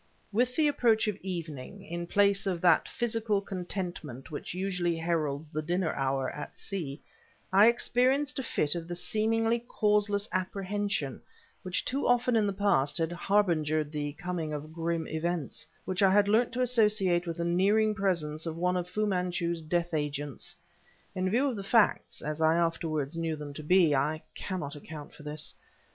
With the approach of evening, in place of that physical contentment which usually heralds the dinner hour, at sea, I experienced a fit of the seemingly causeless apprehension which too often in the past had harbingered the coming of grim events; which I had learnt to associate with the nearing presence of one of Fu Manchu's death agents. In view of the facts, as I afterwards knew them to be, I cannot account for this.